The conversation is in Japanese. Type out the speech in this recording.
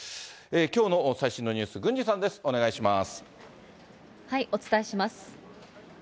きょうの最新のニュース、郡司さお伝えします。